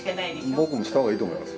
僕もした方がいいと思います。